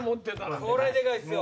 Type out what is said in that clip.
これでかいっすよ。